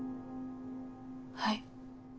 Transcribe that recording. はい。